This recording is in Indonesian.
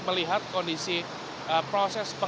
melihat kondisi proses pengerjaan